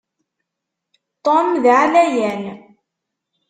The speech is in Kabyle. Tom d aɛlayan.